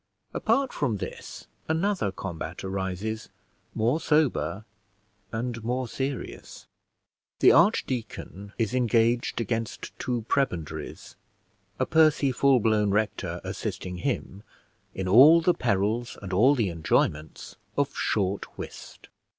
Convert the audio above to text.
Apart from this another combat arises, more sober and more serious. The archdeacon is engaged against two prebendaries, a pursy full blown rector assisting him, in all the perils and all the enjoyments of short whist.